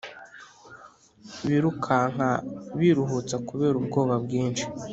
Birukanka biruhutsa kubera ubwoba bwinshi